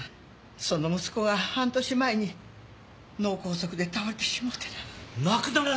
その息子が半年前に脳梗塞で倒れてしもうてなぁ。